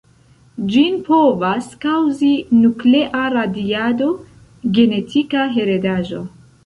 Ĝin povas kaŭzi nuklea radiado, genetika heredaĵo.